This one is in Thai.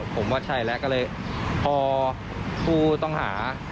ผมว่าใช่แล้วก็เลยพอผู้ต้องหา